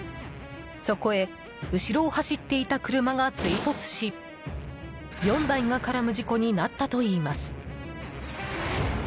そこへ後ろを走っていた車が追突し４台が絡む事故になったといいます。